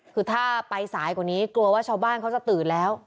คือถ้าไปสายกว่านี้กลัวว่าชาวบ้านเขาจะตื่นแล้ว